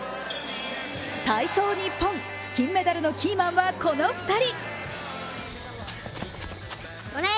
体操ニッポン、金メダルのキーマンはこの２人。